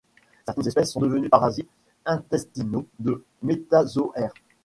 Certaines espèces sont devenues parasites intestinaux de métazoaires.